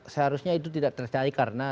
seharusnya itu tidak tercari karena